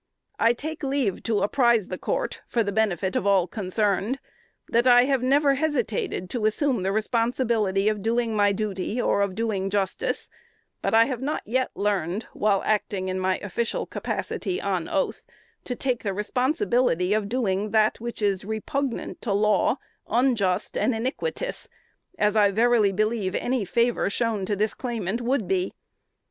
I take leave to apprise the court, for the benefit of all concerned, that I have never hesitated to assume the responsibility of doing my duty, or of doing justice; but I have not yet learned, while acting in my official capacity on oath, to take the responsibility of doing that which is repugnant to law, unjust and iniquitous, as I verily believe any favor shown to this claim would be."